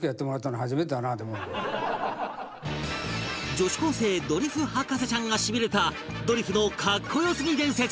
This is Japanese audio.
女子高生ドリフ博士ちゃんがしびれたドリフの格好良すぎ伝説